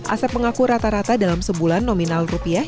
asep mengaku rata rata dalam sebulan nominal rupiah